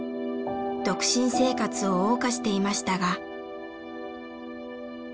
独身生活を謳歌していましたが。